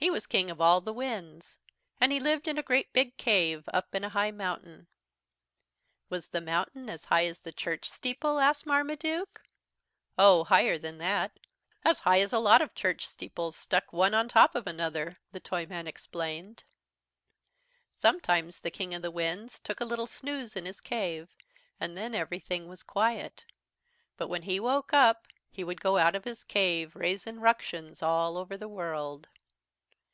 He was King of all the Winds. And he lived in a great big cave up in a high mountain." "Was the mountain as high as the church steeple?" asked Marmaduke. "Oh, higher than that as high as a lot of church steeples, stuck one on top of another," the Toyman explained. "Sometimes the King of the Winds took a little snooze in his cave, and then everything was quiet. But when he woke up he would go out of his cave, raisin' ructions all over the world.